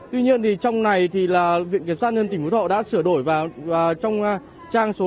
tuy nhiên thì trong này thì là viện kiểm soát nhân dân tỉnh phú thọ đã sửa đổi vào trong trang số hai trăm ba mươi bốn